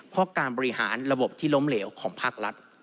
เพราะการบริหารระบบที่ล้มเหลวของภาครัฐ